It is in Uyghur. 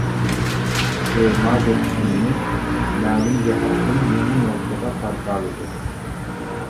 تېما دىققىتىمنى مەلۇم جەھەتتىن يېڭى نۇقتىغا قارىتالىدى.